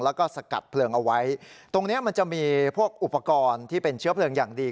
แล้วก็สกัดเพลิงเอาไว้ตรงเนี้ยมันจะมีพวกอุปกรณ์ที่เป็นเชื้อเพลิงอย่างดี